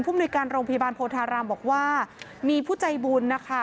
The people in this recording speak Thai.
มนุยการโรงพยาบาลโพธารามบอกว่ามีผู้ใจบุญนะคะ